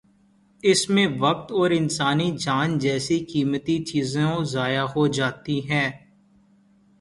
اس میں وقت اور انسانی جان جیسی قیمتی چیزوں ضائع ہو جاتی ہیں۔